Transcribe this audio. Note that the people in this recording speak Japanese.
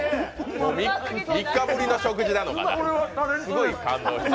もう３日ぶりの食事なのかな。